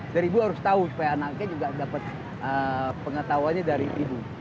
dari ibu harus tahu supaya anaknya juga dapat pengetahuannya dari ibu